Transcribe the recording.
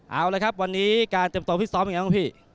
เอาละครับวันนี้การเตรียมตัวพิซ้อมยังไงบ้างพี่